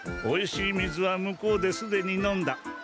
おいしい水は向こうですでに飲んだ。